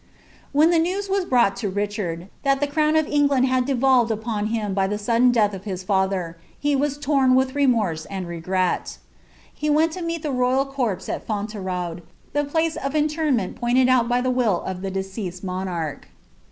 When the news was brought to Richard, thai the crown of En^ud had devolved upon him by the sudden death of his lather, he wu Ua with remorse and regret He went to meet (he royal corpse at Fool^ vraud, the place of interment pointed out by the will of (he decOMJ monarch.